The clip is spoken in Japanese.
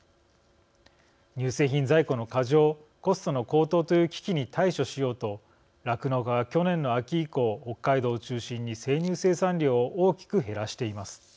乳製品在庫の過剰コストの高騰という危機に対処しようと酪農家は去年の秋以降北海道を中心に生乳生産量を大きく減らしています。